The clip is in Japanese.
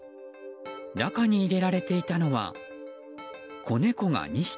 中に入れられていたのは子猫が２匹。